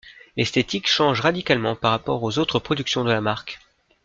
L'esthétique change radicalement par rapport aux autres productions de la marque.